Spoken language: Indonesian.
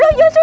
wah ya sudah